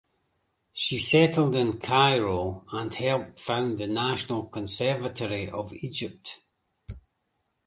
She settled in Cairo and helped found the National Conservatory of Egypt.